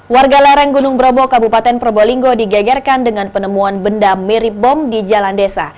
warga lereng gunung brobo kabupaten probolinggo digegerkan dengan penemuan benda mirip bom di jalan desa